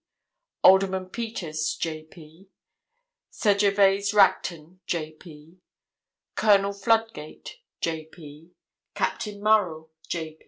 Alderman Peters, J.P., Sir Gervais Racton, J.P., Colonel Fludgate, J.P., Captain Murrill, J.